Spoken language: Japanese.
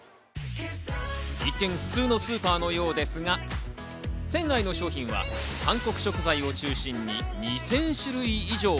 一見、普通のスーパーのようですが、店内の商品は韓国食材を中心に２０００種類以上。